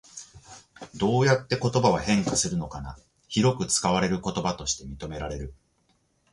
どうやって言葉は変化するのかな？広く使われると言葉として認められる？